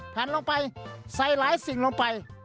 แผ่นลงไปใส่หลายสิ่งลงไป